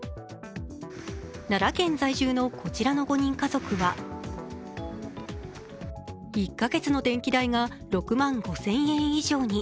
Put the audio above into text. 奈良県在住のこちらの５人家族は１か月の電気代が６万５０００円以上に。